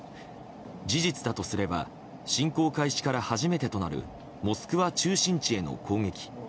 事実だとすれば侵攻開始から初めてとなるモスクワ中心地への攻撃。